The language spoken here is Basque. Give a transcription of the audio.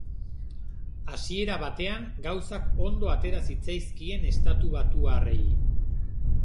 Hasiera batean gauzak ondo atera zitzaizkien estatubatuarrei.